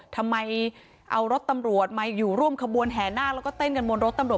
ทำไมเอารถตำรวจมาอยู่ร่วมขบวนแห่นาคแล้วก็เต้นกันบนรถตำรวจ